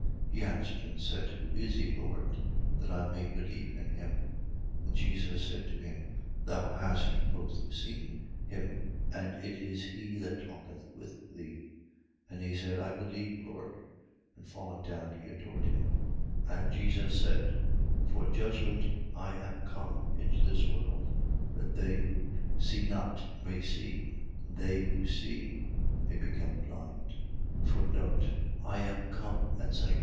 9:36. He answered, and said: Who is he, Lord, that I may believe in him? 9:37. And Jesus said to him: Thou hast both seen him; and it is he that talketh with thee. 9:38. And he said: I believe, Lord. And falling down, he adored him. 9:39. And Jesus said: For judgment I am come into this world: that they who see not may see; and they who see may become blind. I am come, etc. ..